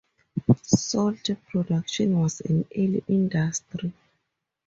Salt production was an early industry.